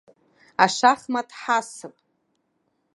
Ашахмат ҳасып.